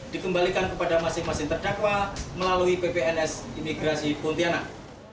dikembalikan kepada masing masing terdakwa melalui ppns imigrasi pontianak